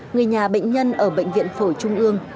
người nhà bệnh nhân ở bệnh viện phổi trung ương